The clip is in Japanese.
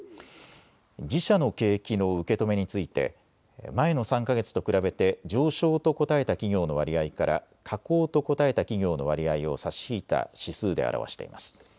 自社の景気の受け止めについて前の３か月と比べて上昇と答えた企業の割合から下降と答えた企業の割合を差し引いた指数で表しています。